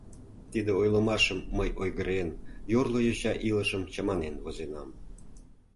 Тиде ойлымашым мый ойгырен, йорло йоча илышым чаманен возенам.